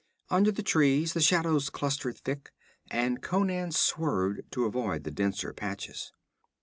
Under the trees the shadows clustered thick, and Conan swerved to avoid the denser patches.